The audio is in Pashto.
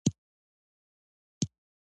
افغانستان د هنر لرغونی مرکز و.